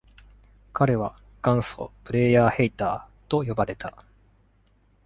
彼は「元祖プレイヤー・ヘイター」と呼ばれた。